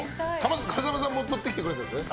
風間さんも撮ってきてくれたんですよね。